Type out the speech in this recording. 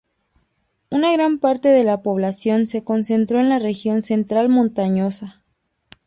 Una gran parte de la población se concentró en la región central montañosa.